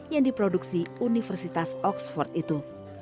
yang diproduksi universitas oxford itu